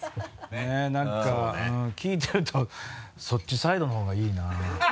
ねぇ何か聞いてるとそっちサイドのほうがいいな。